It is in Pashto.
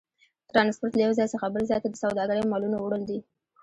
ترانسپورت له یو ځای څخه بل ځای ته د سوداګرۍ مالونو وړل دي.